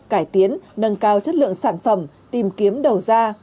cải tiến nâng cao chất lượng sản phẩm tìm kiếm đầu ra